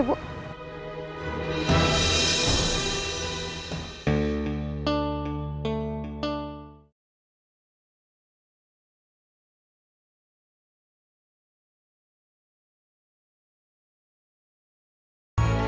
udah ya bu